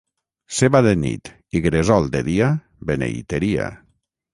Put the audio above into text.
Ceba de nit i gresol de dia, beneiteria.